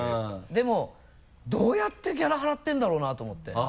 でもどうやってギャラ払ってるんだろうなと思って。